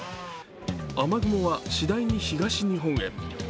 雨雲はしだいに東日本へ。